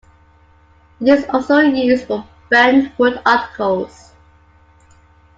It is also used for bentwood articles.